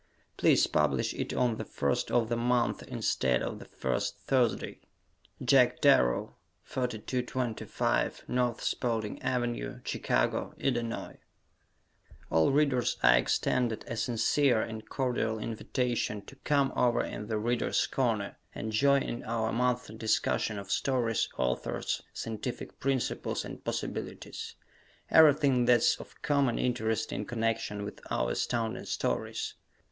Please publish it on the first of the month instead of the first Thursday. Jack Darrow, 4225 N. Spaulding Avenue, Chicago, Ill. "The Readers' Corner" All Readers are extended a sincere and cordial invitation to "come over in 'The Readers' Corner'" and join in our monthly discussion of stories, authors, scientific principles and possibilities everything that's of common interest in connection with our Astounding Stories.